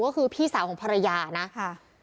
ก็คือพี่สาวของภรรยานะค่ะ